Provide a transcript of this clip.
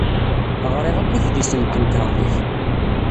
Ɣriɣ akk idlisen n temkarḍit.